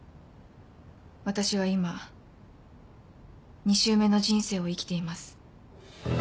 私は今２周目の人生を生きています。